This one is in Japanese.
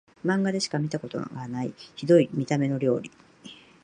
マンガでしか見たことないヒドい見た目の料理